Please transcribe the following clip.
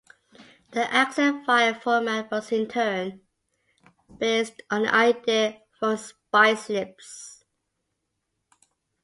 The Accent file format was in turn, based on an idea from Spice Lisp.